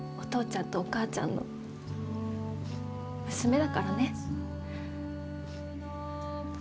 ちゃんとお母ちゃんの娘だからね。